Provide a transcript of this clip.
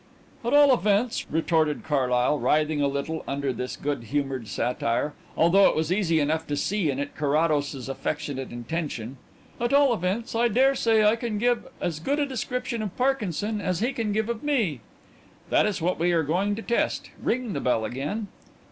"At all events," retorted Carlyle, writhing a little under this good humoured satire, although it was easy enough to see in it Carrados's affectionate intention "at all events, I dare say I can give as good a description of Parkinson as he can give of me." "That is what we are going to test. Ring the bell again."